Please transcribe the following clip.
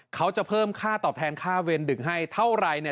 เขาจะเพิ่มค่าตอบแทนค่าเวรดึกให้เท่าไรเนี่ย